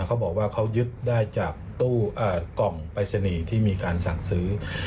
เขาบอกว่าเขายึดได้จากตู้กล่องปรายศนีย์ที่มีการสั่งซื้อ